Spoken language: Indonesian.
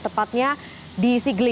tepatnya di sigli